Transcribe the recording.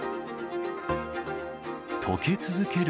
とけ続ける